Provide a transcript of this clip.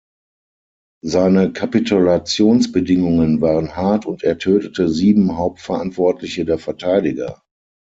Seine Kapitulationsbedingungen waren hart und er tötete sieben Hauptverantwortliche der Verteidiger.